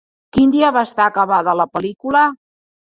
Quin dia va estar acabada la pel·lícula?